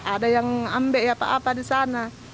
ada yang ngambek apa apa di sana